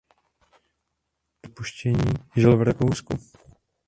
Po jejím rozpuštění žil v Rakousku.